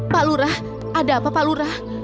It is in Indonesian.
pak lurah ada apa pak lurah